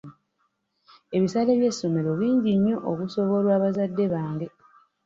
Ebisale by'essomero bingi nnyo okusobolwa bazadde bange.